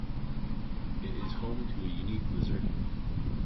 It is home to a unique lizard.